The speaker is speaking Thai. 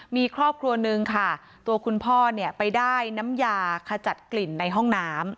มีครอบครัวหนึ่งค่ะตัวคุณพ่อเนี่ยไปได้น้ำยาขจัดกลิ่นในห้องน้ำ